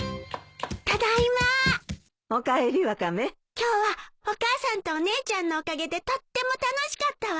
今日はお母さんとお姉ちゃんのおかげでとっても楽しかったわ！